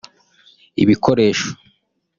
ibikoresho